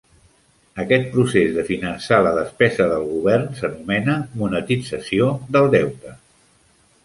Aquest procés de finançar la despesa del govern s'anomena "monetització del deute".